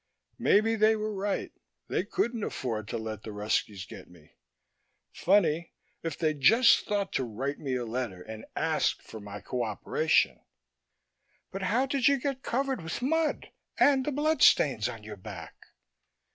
"Maybe they were right: they couldn't afford to let the Ruskis get me. Funny if they'd just thought to write me a letter and ask for my co operation...." "But how did you get covered with mud? And the blood stains on your back?"